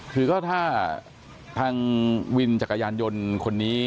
คือก็ถ้าทางวินจักรยานยนต์คนนี้